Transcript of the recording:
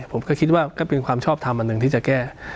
ผมก็คิดว่าก็เป็นความชอบทำอันหนึ่งที่จะแก้